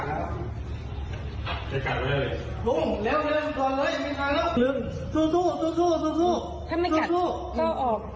เอาออกถ้าไม่กัดก็เอาออก